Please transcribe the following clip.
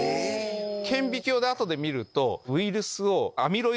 顕微鏡で後で見ると。